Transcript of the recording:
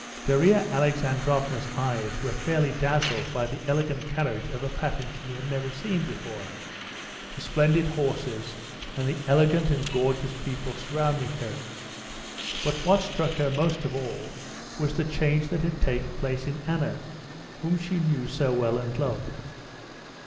Darya Alexandrovna's eyes were fairly dazzled by the elegant carriage of a pattern she had never seen before, the splendid horses, and the elegant and gorgeous people surrounding her. But what struck her most of all was the change that had taken place in Anna, whom she knew so well and loved.